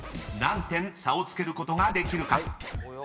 ［何点差をつけることができるか？］